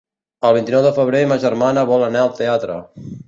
El vint-i-nou de febrer ma germana vol anar al teatre.